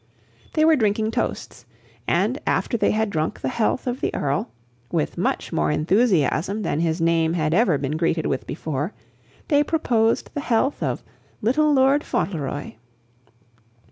They were drinking toasts; and, after they had drunk the health of the Earl, with much more enthusiasm than his name had ever been greeted with before, they proposed the health of "Little Lord Fauntleroy."